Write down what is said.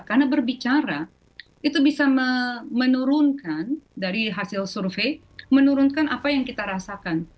karena berbicara itu bisa menurunkan dari hasil survei menurunkan apa yang kita rasakan